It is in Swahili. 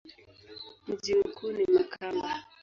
Mji mkuu ni Makamba.